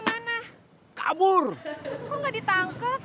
masak sepuluh ribu